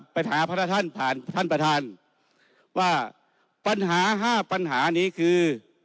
พระท่านผ่านท่านประธานว่าปัญหาห้าปัญหานี้คือ